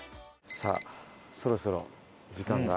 さあそろそろ時間が。